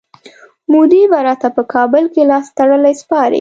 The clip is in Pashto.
مودي به راته په کابل کي لاستړلی سپارئ.